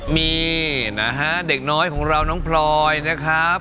มีนะฮะเด็กน้อยของเราน้องพลอยนะครับ